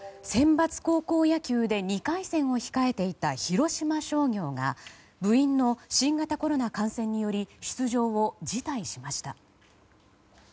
センバツ高校野球で２回戦を控えていた広島商業が部員の新型コロナ感染により出場を辞退しました。